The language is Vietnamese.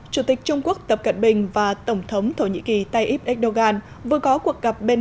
chủ tịch trung quốc tập cận bình và tổng thống thổ nhĩ kỳ tayyip erdogan vừa có cuộc gặp bên